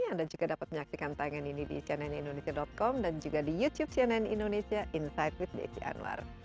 anda juga dapat menyaksikan tayangan ini di cnnindonesia com dan juga di youtube cnn indonesia insight with desi anwar